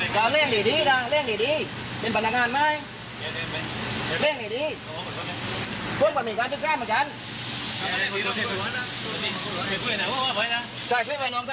สวัสดีครับสวัสดีครับ